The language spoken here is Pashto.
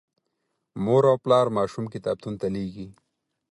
مور او پلار ماشوم کتابتون ته لیږي.